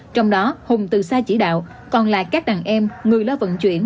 trong đó hùng từ xa chỉ đạo còn là các đàn em người lo vận chuyển